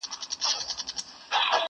ستا د کتاب تر اشو ډېر دي زما خالونه.!